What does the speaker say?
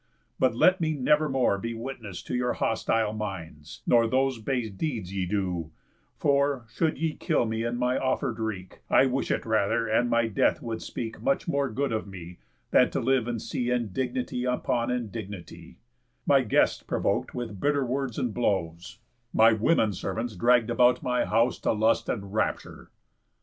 But let me never more be witness to Your hostile minds, nor those base deeds ye do; For, should ye kill me in my offer'd wreak, I wish it rather, and my death would speak Much more good of me, than to live and see Indignity upon indignity, My guests provok'd with bitter words and blows, My women servants dragg'd about my house To lust and rapture."